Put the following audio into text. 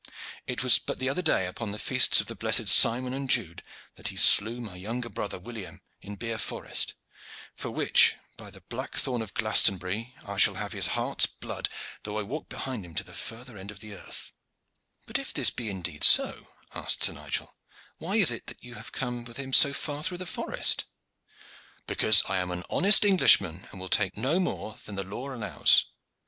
It was but the other day, upon the feasts of the blessed Simon and Jude, that he slew my younger brother William in Bere Forest for which, by the black thorn of Glastonbury! I shall have his heart's blood, though I walk behind him to the further end of earth." "But if this be indeed so," asked Sir Nigel, "why is it that you have come with him so far through the forest?" "Because I am an honest Englishman, and will take no more than the law allows.